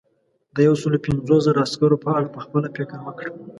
د یو سلو پنځوس زرو عسکرو په اړه پخپله فکر وکړه.